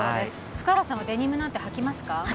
福原さんはデニムなんて履きます？